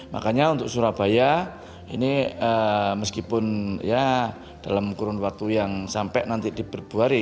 makanya untuk surabaya ini meskipun ya dalam kurun waktu yang sampai nanti di februari